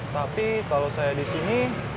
tapi kalau saya di sini